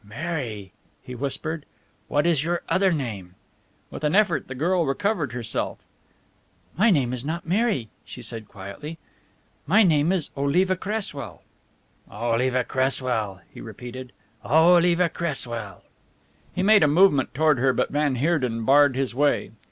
"Mary!" he whispered, "what is your other name?" With an effort the girl recovered herself. "My name is not Mary," she said quietly. "My name is Oliva Cresswell." "Oliva Cresswell," he repeated. "Oliva Cresswell!" He made a movement toward her but van Heerden barred his way.